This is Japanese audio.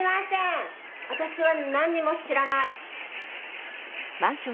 私はなんにも知らない。